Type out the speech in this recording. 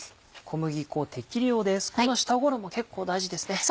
この下衣結構大事ですね。